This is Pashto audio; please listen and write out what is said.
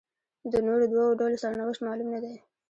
د نورو دوو ډلو سرنوشت معلوم نه دی.